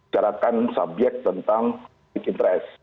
jarakkan subyek tentang interest